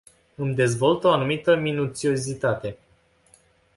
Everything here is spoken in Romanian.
Îmi dezvoltă o anumită minuțiozitate.